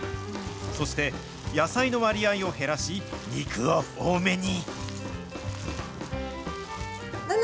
そして野菜の割合を減らし、肉を多めに。